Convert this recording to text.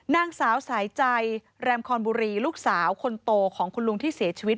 นางสาวสายใจแรมคอนบุรีลูกสาวคนโตของคุณลุงที่เสียชีวิต